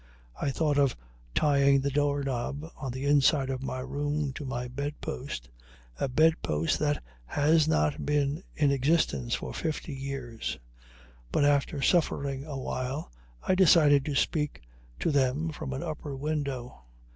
I thought of tying the doorknob on the inside of my room to my bedpost (a bedpost that has not been in existence for fifty years), but after suffering awhile I decided to speak to them from an upper window.